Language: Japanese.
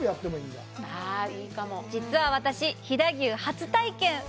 実は、私、飛騨牛初体験！